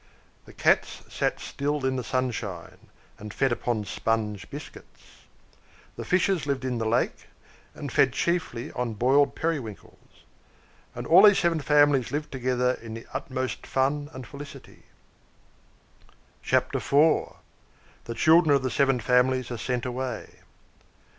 The Cats sate still in the sunshine, and fed upon sponge biscuits. The Fishes lived in the lake, and fed chiefly on boiled periwinkles. And all these seven families lived together in the utmost fun and felicity. CHAPTER IV. THE CHILDREN OF THE SEVEN FAMILIES ARE SENT AWAY.